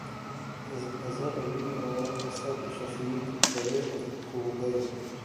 اظہر علی اور اسد شفیق 'بڑے' ہو گئے